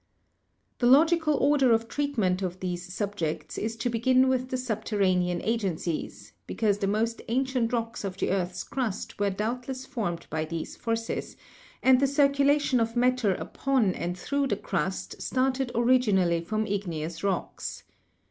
The logical order of treatment of these subjects is to begin with the subterranean agencies, because the most ancient rocks of the earth's crust were doubtless formed 98 GEOLOGY by these forces, and the circulation of matter upon and through the crust started originally from igneous rocks.